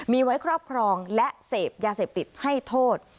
มีไว้ครอบครองและเสพยาเสพติดให้โทษ